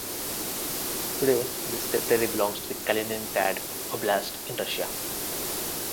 Today this territory belongs to the Kaliningrad Oblast in Russia.